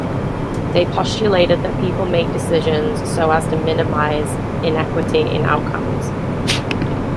They postulated that people make decisions so as to minimize inequity in outcomes.